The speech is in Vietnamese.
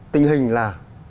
tình hình là